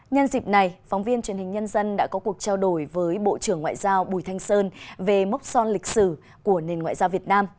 nhân dịp này phóng viên truyền hình nhân dân đã có cuộc trao đổi với bộ trưởng ngoại giao bùi thanh sơn về mốc son lịch sử của nền ngoại giao việt nam